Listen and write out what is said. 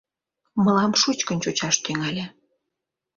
Мылам шучкын чучаш тӱҥале.